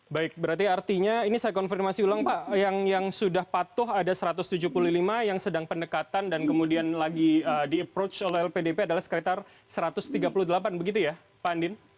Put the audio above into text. baik berarti artinya ini saya konfirmasi ulang pak yang sudah patuh ada satu ratus tujuh puluh lima yang sedang pendekatan dan kemudian lagi di approach oleh lpdp adalah sekitar satu ratus tiga puluh delapan begitu ya pak andin